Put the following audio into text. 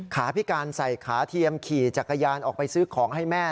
พิการใส่ขาเทียมขี่จักรยานออกไปซื้อของให้แม่